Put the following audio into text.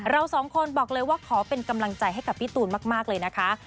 เราสองคนบอกเลยว่าขอเป็นกำลังใจให้กับพี่ตูนมากเลยนะคะ